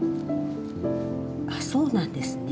あっそうなんですね。